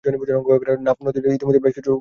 নাফ নদীতে ইতিমধ্যেই বেশ কিছু আলোচিত ঘটনা ঘটেছে।